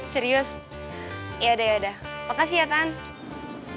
serius yaudah yaudah makasih ya tante